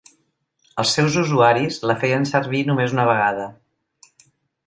Els seus usuaris la feien servir només una vegada.